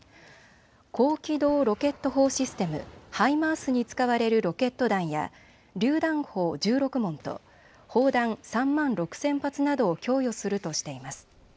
高機動ロケット砲システム・ハイマースに使われるロケット弾や、りゅう弾砲１６門と砲弾３万６０００発などを供与するとしています。